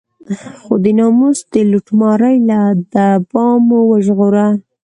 خو د ناموس د لوټمارۍ له دبا مو وژغوره.